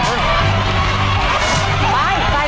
ไปไปเร็วเลย